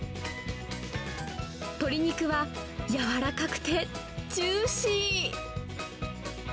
鶏肉は柔らかくてジューシー。